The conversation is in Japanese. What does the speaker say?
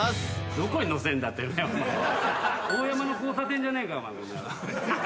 大山の交差点じゃねえか。